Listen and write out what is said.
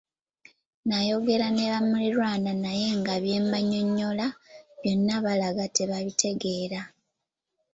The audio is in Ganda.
Nayogera ne balirwana naye nga bye mbannyonnyola byonna balaga tebabitegeera.